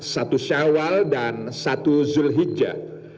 satu syawal dan satu zulhijjah